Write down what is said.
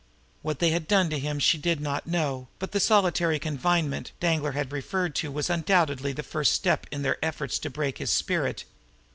What they had done to him she did not know, but the 'solitary confinement' Danglar had referred to was undoubtedly the first step in their efforts to break his spirit.